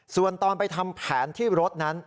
ส่วนตอนไปทำแผนที่รถนั้น